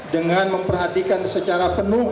dengan memperhatikan secara penuh